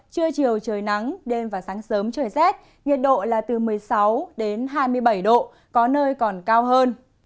trưa chiều trời nắng đêm và sáng sớm trời rét nhiệt độ là từ một mươi sáu hai mươi bảy độ có nơi còn cao hơn